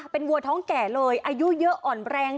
เป็นวัวท้องแก่เลยอายุเยอะอ่อนแรง